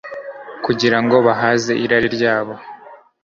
kugira ngo bahaze irari ryabo.